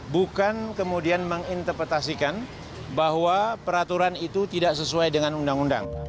bukan kemudian menginterpretasikan bahwa peraturan itu tidak sesuai dengan undang undang